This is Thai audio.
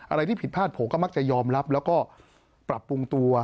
อะไรที่ผิดพลาดผมก็มักจะยอมรับแล้วก็ปรับปรุงตัว